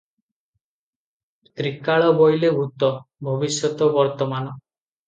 ତ୍ରିକାଳ ବୋଇଲେ ଭୂତ, ଭବିଷ୍ୟତ, ବର୍ତ୍ତମାନ ।